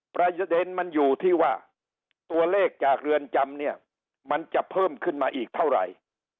ประเด็นมันอยู่ที่ว่าตัวเลขจากเรือนจำเนี่ยมันจะเพิ่มขึ้นมาอีกเท่าไหร่